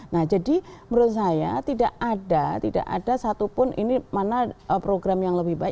nah jadi menurut saya tidak ada satu pun ini mana program yang lebih baik